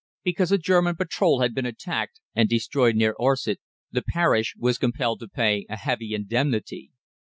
Because a German patrol had been attacked and destroyed near Orsett, the parish was compelled to pay a heavy indemnity.